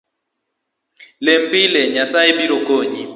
Lem pile ,Nyasae biro konyi